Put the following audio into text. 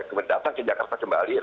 kemudian datang ke jakarta kembali